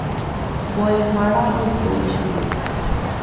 Mbo'ehára oiko ichugui.